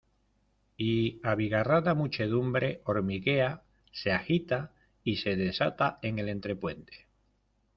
y abigarrada muchedumbre hormiguea, se agita y se desata en el entrepuente.